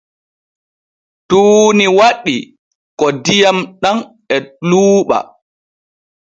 Tuuni waɗi ko diyam ɗam e luuɓa.